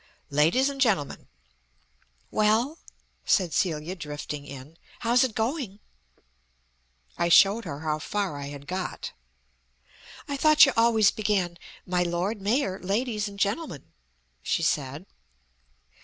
_ "Ladies and Gentlemen " "Well," said Celia, drifting in, "how's it going?" I showed her how far I had got. "I thought you always began, 'My Lord Mayor, Ladies and Gentlemen,'" she said.